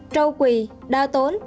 châu quỳ đa tốn